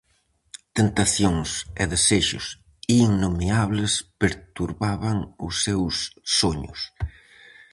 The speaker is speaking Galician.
Tentacións e desexos innomeables perturbaban os seus soños.